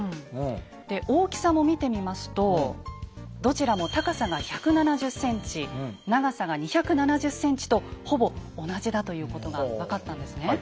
で大きさも見てみますとどちらも高さが１７０ｃｍ長さが２７０ｃｍとほぼ同じだということが分かったんですね。